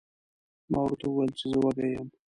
ما ورته وویل چې زه وږی یم.